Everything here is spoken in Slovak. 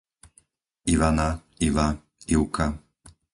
Ivana, Iva, Ivka